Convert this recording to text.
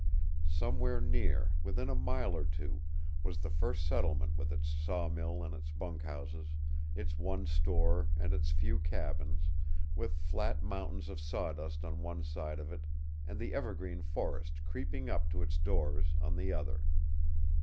Somewhere near, within a mile or two, was the first settlement with its sawmill and its bunkhouses, its one store and its few cabins, with flat mountains of sawdust on one side of it, and the evergreen forest creeping up to its doors on the other.